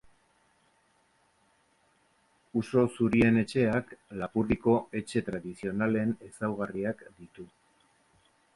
Uso zurien etxeak Lapurdiko etxe tradizionalen ezaugarriak ditu.